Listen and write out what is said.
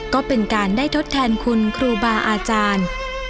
ก็เป็นการได้ทดแทนคุณครูบาอาจารย์